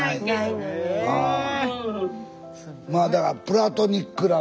まあだからプラトニック・ラブや。